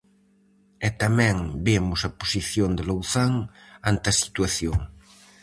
E tamén vemos a posición de Louzán ante a situación.